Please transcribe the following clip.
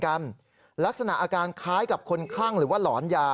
แบบแรกที่เขาจะหัวหน็นล่ะ